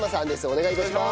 お願い致します。